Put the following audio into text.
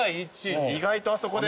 意外とあそこで。